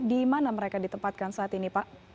di mana mereka ditempatkan saat ini pak